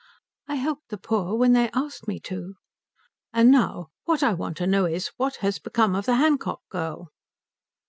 "I helped the poor when they asked me to." "And now what I want to know is, what has become of the Hancock girl?"